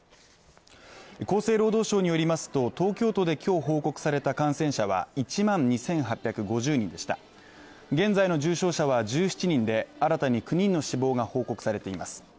厚生労働省によりますと東京都で今日報告された感染者は１万２８５０人でした現在の重症者が１７人で新たに９人の死亡が報告されています